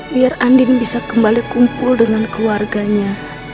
biar andin bisa kembali kumpul dengan keluarganya